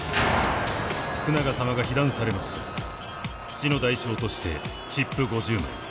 死の代償としてチップ５０枚。